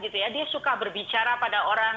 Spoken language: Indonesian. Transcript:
dia suka berbicara pada orang